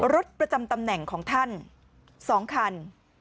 รถประจำตำแหน่งของท่าน๒คัน